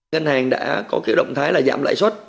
ngân hàng đã có kiểu động thái là giảm lãi xuất